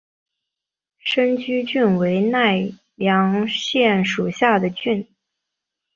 生驹郡为奈良县属下的郡。